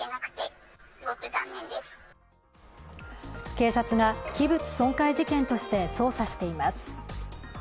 警察が器物損壊事件として捜査しています。